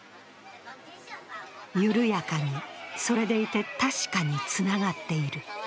緩やかに、それでいて確かにつながっている。